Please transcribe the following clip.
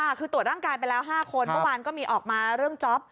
คือตรวจร่างกายไปแล้ว๕คนเมื่อวานก็มีออกมาเรื่องจ๊อป